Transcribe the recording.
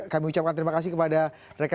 kami ucapkan terima kasih kepada rekan